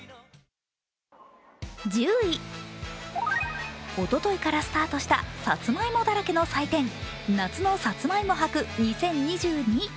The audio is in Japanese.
１０位、おとといからスタートしたさつまいもだらけの祭典、夏のさつまいも博２０２２。